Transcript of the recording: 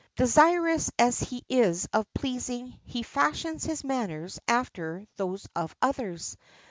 Desirous as he is of pleasing he fashions his manners after those of others.